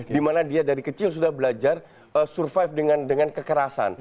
dimana dia dari kecil sudah belajar survive dengan kekerasan